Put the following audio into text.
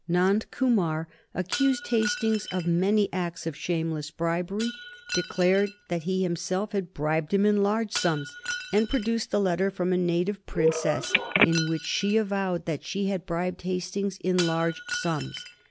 Nand Kumar accused Hastings of many acts of shameless bribery, declared that he himself had bribed him in large sums, and produced a letter from a native princess in which she avowed that she had bribed Hastings in large sums.